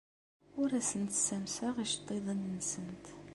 Ur asent-ssamaseɣ iceḍḍiḍen-nsent.